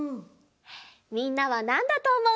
みんなはなんだとおもう？